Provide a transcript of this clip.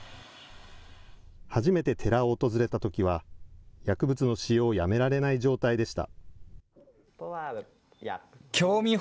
初めて寺を訪れたときは、薬物の使用をやめられない状態でした。